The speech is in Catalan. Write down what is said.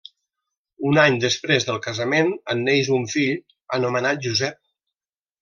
Un any després del casament en neix un fill anomenat Josep.